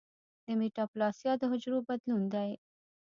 د میټاپلاسیا د حجرو بدلون دی.